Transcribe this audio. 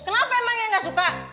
kenapa emang yang gak suka